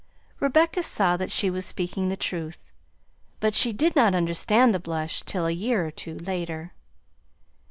Rebecca saw that she was speaking the truth, but she did not understand the blush till a year or two later.